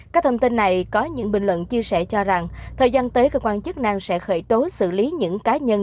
các thông tin này có những bình luận chia sẻ cho rằng thời gian tới cơ quan chức năng sẽ khởi tố xử lý những cá nhân